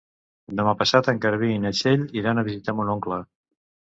Demà passat en Garbí i na Txell iran a visitar mon oncle.